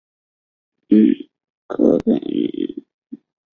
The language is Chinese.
阔边陵齿蕨为陵齿蕨科陵齿蕨属下的一个种。